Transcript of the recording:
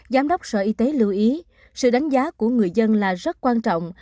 giám đốc sở y tế lưu ý sự đánh giá của người dân là rất quan trọng